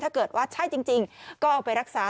ถ้าเกิดว่าใช่จริงก็เอาไปรักษา